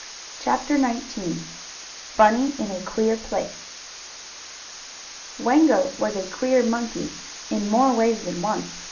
CHAPTER XIX BUNNY IN A QUEER PLACE Wango was a queer monkey in more ways than one.